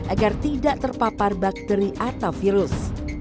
agar tidak terpapar bakteri atau virus